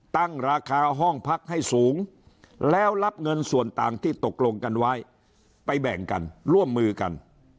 ตั้งราคาห้องพักให้สูงแล้วรับเงินส่วนต่างที่ตกลงกันไว้ไปแบ่งกันร่วมมือกัน